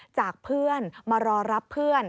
จากเพื่อนมารอรับเพื่อน